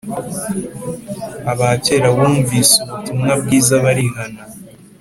abakera bumvise ubutumwa bwiza barihana